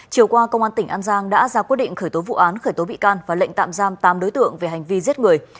chiều qua công an tỉnh an giang đã ra quyết định khởi tố vụ án khởi tố bị can và lệnh tạm giam tám đối tượng về hành vi giết người